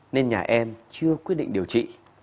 nên nhà em chưa quyết định điều trị